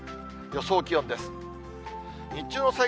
予想気温です。